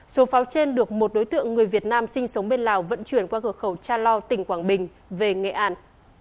số pháo trên được một đối tượng người việt nam sinh sống bên lào vận chuyển qua cửa khẩu cha lo tỉnh quảng bình về nghệ an